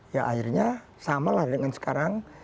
ya akhirnya samalah dengan sekarang